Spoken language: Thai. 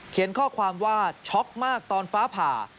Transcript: ข้อความว่าช็อกมากตอนฟ้าผ่า